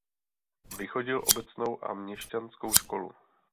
Vychodil obecnou a měšťanskou školu.